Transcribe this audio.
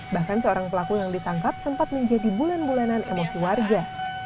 bahkan seorang pelaku yang ditangkap sempat menjadi bulan bulanan emosi warga